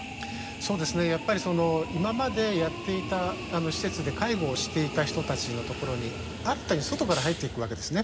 そうですねやっぱり今までやっていた施設で介護をしていた人たちのところに新たに外から入っていくわけですね。